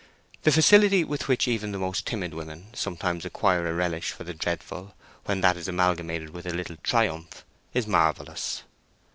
The facility with which even the most timid women sometimes acquire a relish for the dreadful when that is amalgamated with a little triumph, is marvellous.